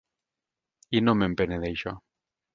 I no me'n penedeixo.